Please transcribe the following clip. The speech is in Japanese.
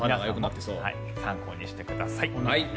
参考にしてください。